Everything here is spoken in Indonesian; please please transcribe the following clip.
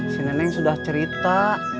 si neneng sudah cerita